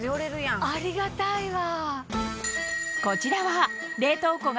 ありがたいわ。